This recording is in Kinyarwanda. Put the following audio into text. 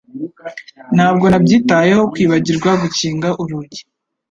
Ntabwo nabyitayeho kwibagirwa gukinga urugi.